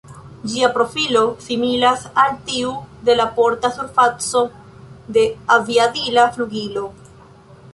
Ĝia profilo similas al tiu de la porta surfaco de aviadila flugilo.